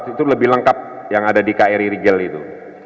itu lebih lengkap yang ada di kri rigel itu